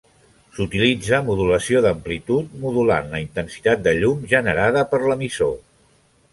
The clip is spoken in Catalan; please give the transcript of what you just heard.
S'utilitza modulació d'amplitud, modulant la intensitat de llum generada per l'emissor.